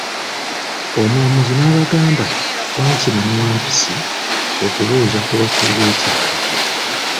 Omulamuzi n'abagamba ,Wankima ne Wampisi okubuuza ku bakulu be kyalo.